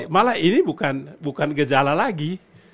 malah ini bukan gejala lagi